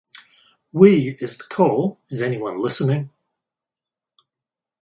"We" is the call, is anyone listening?